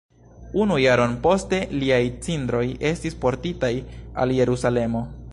Unu jaron poste liaj cindroj estis portitaj al Jerusalemo.